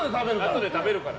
あとで食べるから。